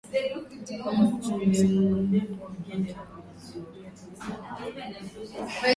Jacob alimshukuru sana bwana Andrea huku akiwa amekaribia kwenye gari za abiria